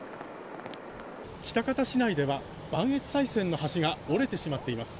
喜多方市内では磐越西線の橋が折れてしまっています。